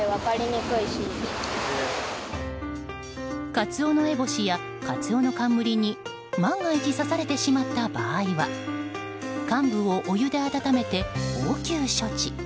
カツオノエボシやカツオノカンムリに万が一、刺されてしまった場合は患部をお湯で温めて応急処置。